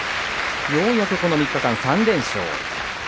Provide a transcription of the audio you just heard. ようやくこの３日間、３連勝。